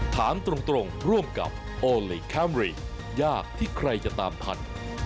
ถามตรงร่วมกับโอลี่คัมรี่ยากที่ใครจะตามทัน